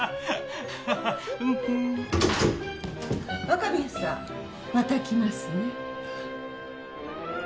若宮さんまた来ますね。